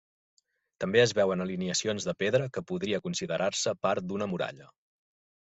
També es veuen alineacions de pedra que podria considerar-se part d'una muralla.